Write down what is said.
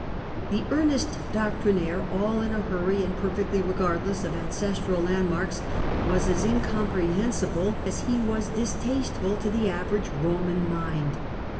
The earnest doctrinaire, ail in a hurry and perfectly regard less of ancestral landmarks, was as incomprehensible as he was distasteful to the average Eoman mind.